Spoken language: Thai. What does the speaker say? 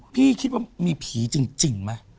พี่คิดว่ามีผีจริงไหม